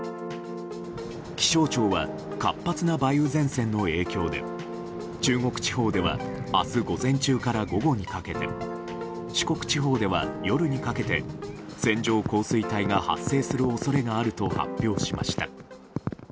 気象庁は活発な梅雨前線の影響で中国地方では明日午前中から午後にかけて四国地方では夜にかけて線状降水帯が発生する恐れがあると発表しました。